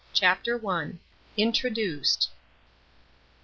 CHAPTER I. INTRODUCED.